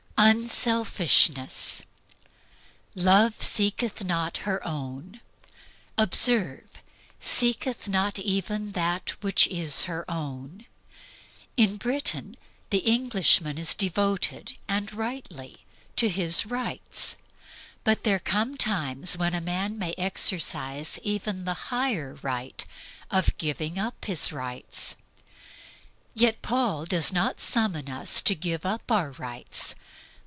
Unselfishness. "Love seeketh not her own." Observe: Seeketh not even that which is her own. In Britain the Englishman is devoted, and rightly, to his rights. But there come times when a man may exercise even THE HIGHER RIGHT of giving up his rights. Yet Paul does not summon us to give up our rights.